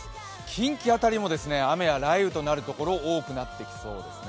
近畿辺りも雨や雷雨となるところも多くなってきそうです。